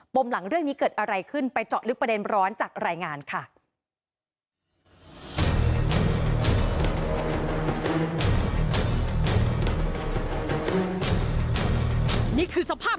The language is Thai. มหลังเรื่องนี้เกิดอะไรขึ้นไปเจาะลึกประเด็นร้อนจากรายงานค่ะ